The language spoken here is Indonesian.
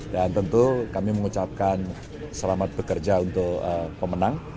dan tentu kami mengucapkan selamat bekerja untuk pemenang